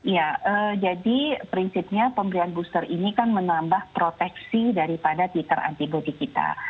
ya jadi prinsipnya pemberian booster ini kan menambah proteksi daripada titer antibody kita